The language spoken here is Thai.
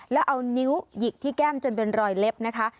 แล้วเอานิ้วหยิกที่แก้มจนเป็นรอยเล็บนะคะ